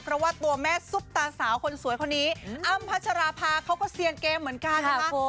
เพราะว่าตัวแม่ซุปตาสาวคนสวยคนนี้อ้ำพัชราภาเขาก็เซียนเกมเหมือนกันนะคะ